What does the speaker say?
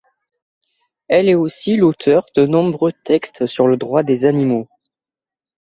Elle est aussi l'auteur de nombreux textes sur le droit des animaux.